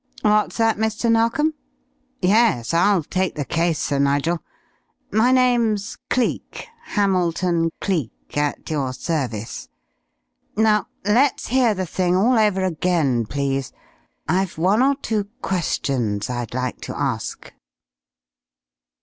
What's that, Mr. Narkom? Yes, I'll take the case, Sir Nigel. My name's Cleek Hamilton Cleek, at your service. Now let's hear the thing all over again, please. I've one or two questions I'd like to ask."